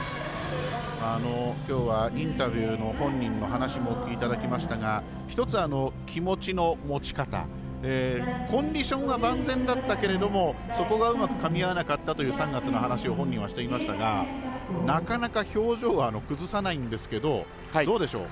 きょうはインタビューの本人の話もお聞きいただきましたが一つ、気持ちの持ち方コンディションは万全だったけれどもそこがうまくかみ合わなかったという話を３月の話を本人はしていましたがなかなか表情は崩さないんですけどどうでしょう。